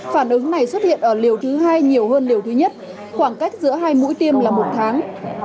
phản ứng này xuất hiện ở liều thứ hai nhiều hơn liều thứ nhất khoảng cách giữa hai mũi tiêm là một tháng